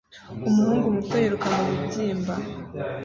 Umuhungu muto yiruka mubibyimba